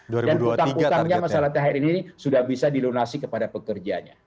dan utang utangnya masalah thr ini sudah bisa dilunasi kepada pekerjanya